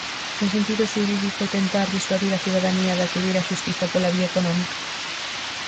Ten sentido xurídico tentar disuadir a cidadanía de acudir á xustiza pola vía económica?